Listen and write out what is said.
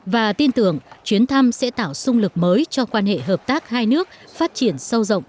và tin tưởng chuyến thăm sẽ tạo sung lực mới cho quan hệ hợp tác hai nước phát triển sâu rộng